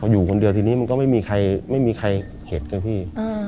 อยู่คนเดียวทีนี้มันก็ไม่มีใครเห็นกันพี่